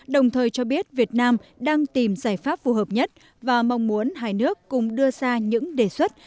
đồng thời cho biết việt nam đang tìm giải pháp phù hợp nhất và mong muốn hai nước cùng đưa ra những đề xuất